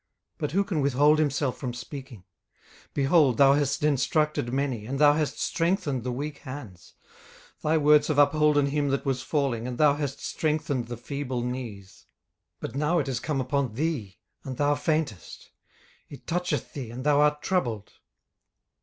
but who can withhold himself from speaking? 18:004:003 Behold, thou hast instructed many, and thou hast strengthened the weak hands. 18:004:004 Thy words have upholden him that was falling, and thou hast strengthened the feeble knees. 18:004:005 But now it is come upon thee, and thou faintest; it toucheth thee, and thou art troubled.